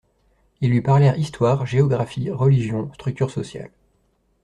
ils lui parlèrent histoire, géographie, religion, structures sociales